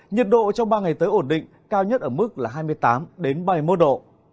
nhiệt độ trong ba ngày tới ổn định cao nhất ở mức là hai mươi tám ba mươi một độ